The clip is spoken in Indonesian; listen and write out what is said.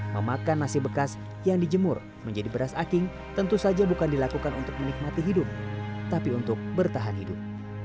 memakan nasi bekas yang dijemur menjadi beras aking tentu saja bukan dilakukan untuk menikmati hidup tapi untuk bertahan hidup